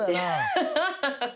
ハハハハ！